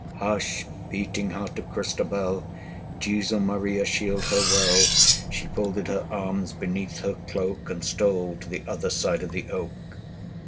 Hush, beating heart of Christabel! Jesu, Maria, shield her well! She folded her arms beneath her cloak, 55 And stole to the other side of the oak.